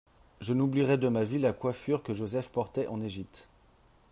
Je n'oublierai de ma vie la coiffure que Joseph portait en Égypte.